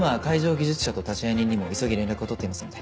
技術者と立会人にも急ぎ連絡を取っていますので。